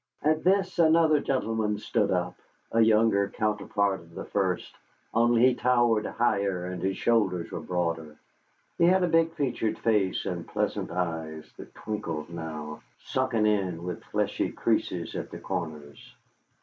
At this another gentleman stood up, a younger counterpart of the first, only he towered higher and his shoulders were broader. He had a big featured face, and pleasant eyes that twinkled now sunken in, with fleshy creases at the corners.